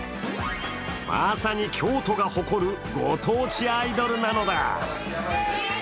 まさに京都が誇るご当地アイドルなのだ。